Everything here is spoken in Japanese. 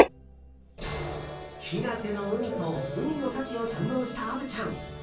日生の海と海の幸を堪能した虻ちゃん。